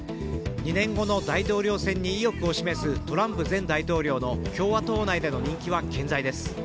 ２年後の大統領選に意欲を示すトランプ前大統領の共和党内での人気は健在です。